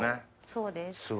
そうです。